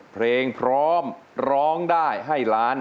เพลงพร้อมร้องได้ให้ล้าน